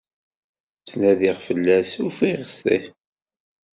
Ttnadiɣ fell-as, ufiɣ-it.